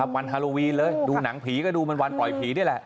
วันฮาโลวีนเลยดูหนังผีก็ดูมันวันปล่อยผีนี่แหละ